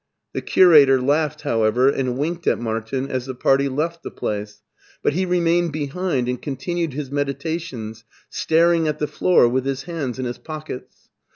The curator laughed however, and winked at Martin as the party left the place, but he remained behind, and continued his meditations, staring at the floor with his hands in his pockets.